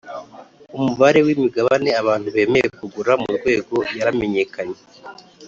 Umubare w’imigabane abantu bemeye kugura mu rwego yaramenyekenye